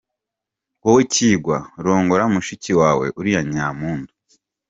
Wowe Kigwa, rongora mushiki wawe uriya Nyampundu.